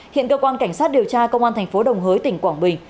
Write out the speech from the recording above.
hiện cơ quan cảnh sát điều tra công an thành phố đồng hới tỉnh quảng bình